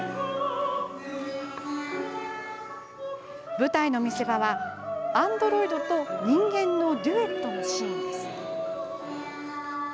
舞台の見せ場は、アンドロイドと人間のデュエットのシーンです。